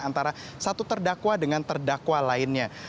antara satu terdakwa dengan terdakwa lainnya